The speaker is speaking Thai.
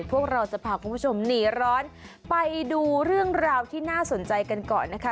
พวกเราจะพาคุณผู้ชมหนีร้อนไปดูเรื่องราวที่น่าสนใจกันก่อนนะคะ